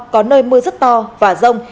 có nơi mưa rất to và rông